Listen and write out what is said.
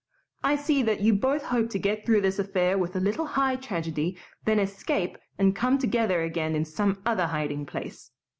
"I see that you both hope to get through this affair with a little high tragedy, then escape and come together again in some other hiding place.